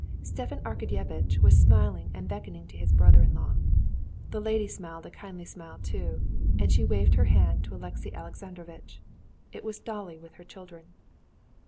Stepan Arkadyevitch was smiling and beckoning to his brother in law. The lady smiled a kindly smile too, and she too waved her hand to Alexey Alexandrovitch. It was Dolly with her children.